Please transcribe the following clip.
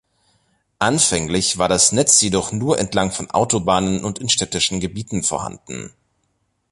Anfänglich war das Netz jedoch nur entlang von Autobahnen und in städtischen Gebieten vorhanden.